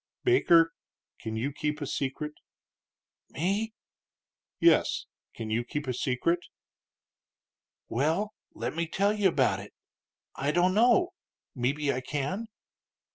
"Baker, can you keep a secret?" "Me?" "Yes; can you keep a secret?" "Well, let me tell you about it; I don't know; mebbe I can."